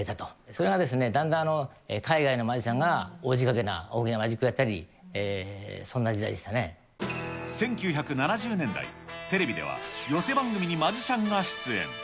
それがだんだん、海外のマジシャンが大仕掛けなマジックをやったり、そんな時代で１９７０年代、テレビでは寄席番組にマジシャンが出演。